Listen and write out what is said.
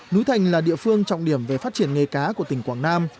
núi thành là địa phương trọng điểm về phát triển nghề cá của tỉnh quảng nam